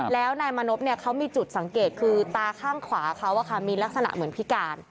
แล้วนายมานพเขามีจุดสังเกตคือตาข้างขวาเขามีลักษณะเหมือนพิการ